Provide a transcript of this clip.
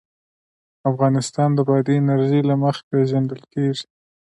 افغانستان د بادي انرژي له مخې پېژندل کېږي.